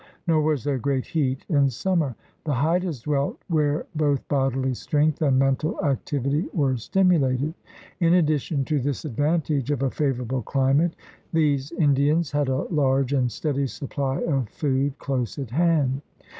Nor was there great heat in summer. The Haidas dwelt where both bodily strength and mental activity were stimulated. In addition to this advantage of a favorable climate these Indians had a large and steady supply of food close at hand.